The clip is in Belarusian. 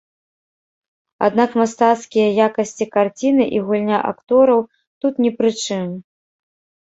Аднак мастацкія якасці карціны і гульня актораў тут не пры чым.